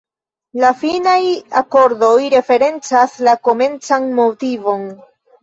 La finaj akordoj referencas la komencan motivon.